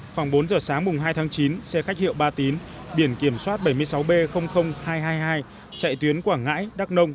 khoảng bốn giờ sáng mùng hai tháng chín xe khách hiệu ba tín biển kiểm soát bảy mươi sáu b hai trăm hai mươi hai chạy tuyến quảng ngãi đắk nông